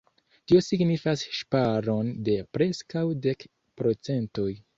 Tio signifas ŝparon de preskaŭ dek procentoj.